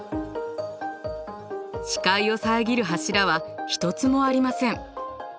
視界を遮る柱は一つもありません。